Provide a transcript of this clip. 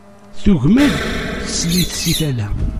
Tugem-d teslit si tala.